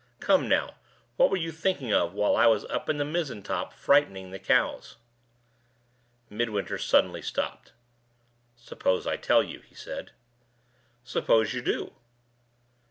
Come, now, what were you thinking of while I was up in the mizzen top frightening the cows?" Midwinter suddenly stopped. "Suppose I tell you?" he said. "Suppose you do?"